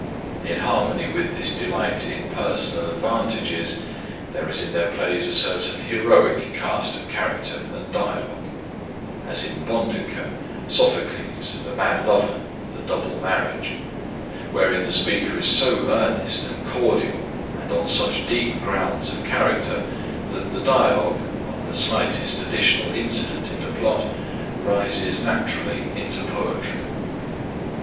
In harmony with this delight in personal advantages there is in their plays a certain heroic cast of character and dialogue,—as in Bonduca, Sophocles, the Mad Lover, the Double Marriage,—wherein the speaker is so earnest and cordial and on such deep grounds of character, that the dialogue, on the slightest additional incident in the plot, rises naturally into poetry.